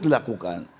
nah itu dilakukan